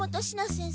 先生。